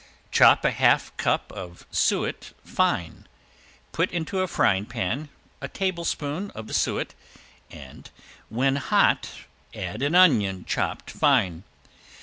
Chop a half cup of suet fine, put into a frying pan a tablespoon of the suet, and when hot add an onion chopped fine.